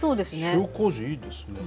塩こうじ、いいですね。